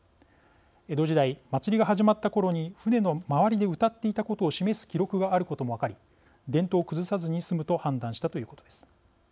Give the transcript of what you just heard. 江戸時代、祭りが始まった頃に船の周りで謡っていたことを示す記録があることも分かり伝統を崩さずに済むと判断したということです。